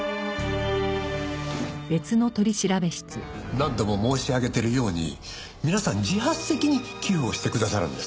何度も申し上げてるように皆さん自発的に寄付をしてくださるんです。